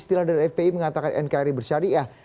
istilah dari fpi mengatakan nkri bersyariah